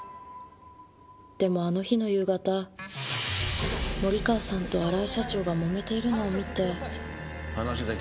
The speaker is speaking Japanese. でもあの日の夕方森川さんと荒井社長がもめているのを見て。